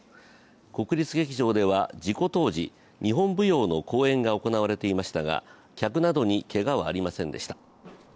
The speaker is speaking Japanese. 国立劇場では事故当時日本舞踊の公演が行われていましたが、客などにけがはありませんでした。